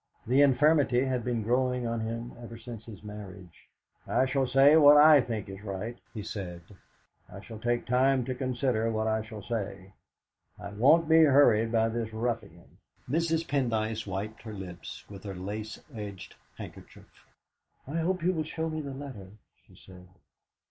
The infirmity had been growing on him ever since his marriage. "I shall say what I think right," he said. "I shall take time to consider what I shall say; I won't be hurried by this ruffian." Mrs. Pendyce wiped her lips with her lace edged handkerchief. "I hope you will show me the letter," she said.